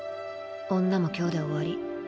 女も今日で終わり。